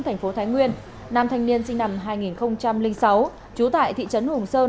thành phố thái nguyên nam thanh niên sinh năm hai nghìn sáu trú tại thị trấn hùng sơn